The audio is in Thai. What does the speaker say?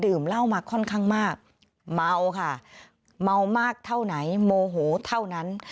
เหล้ามาค่อนข้างมากเมาค่ะเมามากเท่าไหนโมโหเท่านั้น